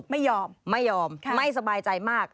ไม่ยอมไม่ยอมไม่สบายใจมาก